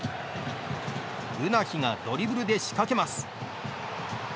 ウナヒがドリブルで仕掛けます。